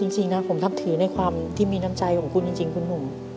จริงนะผมนับถือในความที่มีน้ำใจของคุณจริงคุณหนุ่ม